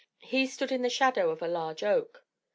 He stood in the shadow of a large oak.